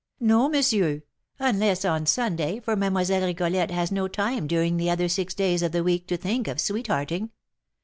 "No, monsieur; unless on Sunday, for Mlle. Rigolette has no time during the other six days of the week to think of sweethearting.